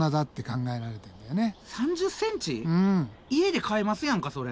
家で飼えますやんかそれ。